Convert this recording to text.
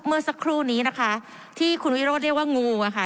เมื่อสักครู่นี้นะคะที่คุณวิโรธเรียกว่างูอะค่ะ